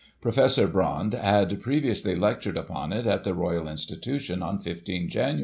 Professor Brcinde had previously lectured upon it, at the Royal Institution, on 15 Jan.